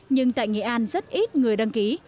nhưng tại nghệ an rất ít người đăng ký